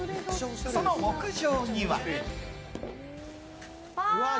その屋上には。